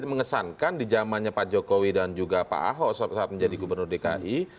mengesankan di zamannya pak jokowi dan juga pak ahok saat menjadi gubernur dki